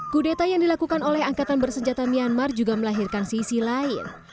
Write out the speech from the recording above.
kudeta yang dilakukan oleh angkatan bersenjata myanmar juga melahirkan sisi lain